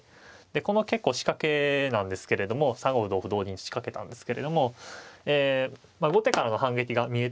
この結構仕掛けなんですけれども３五歩同歩同銀と仕掛けたんですけれども後手からの反撃が見えてるんですよね。